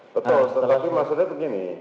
betul tapi maksudnya begini